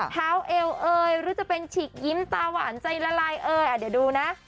เอวเอยหรือจะเป็นฉีกยิ้มตาหวานใจละลายเอ่ยเดี๋ยวดูนะ